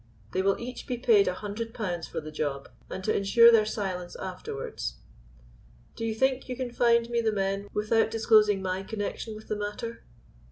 They will each be paid a hundred pounds for the job, and to ensure their silence afterwards. Do you think you can find me the men without disclosing my connection with the matter?"